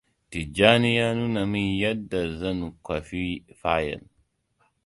Tijjani ya nuna min yadda zan kwafi fayel.